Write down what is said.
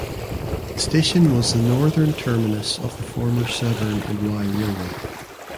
The station was the northern terminus of the former Severn and Wye Railway.